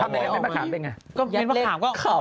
เม้นประข่าวก็อ๋อ